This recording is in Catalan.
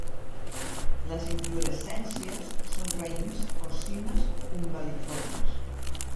Les inflorescències són raïms o cimes umbel·liformes.